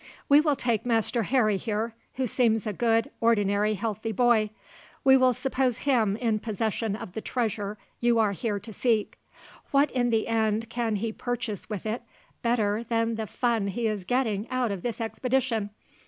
We will take Master Harry here, who seems a good, ordinary healthy boy. We will suppose him in possession of the treasure you are here to seek. What in the end can he purchase with it better than the fun he is getting out of this expedition?